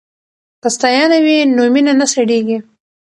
که ستاینه وي نو مینه نه سړیږي.